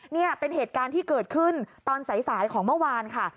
นี่เป็นเหตุการณ์ที่เกิดขึ้นตอนสายของเมื่อวานค่ะ